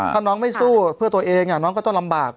ถ้าน้องไม่สู้เพื่อตัวเองน้องก็ต้องลำบาก